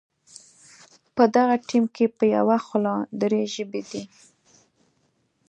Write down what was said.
په دغه ټیم کې په یوه خوله درې ژبې دي.